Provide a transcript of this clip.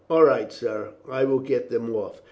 "All right, sir, I will get them off.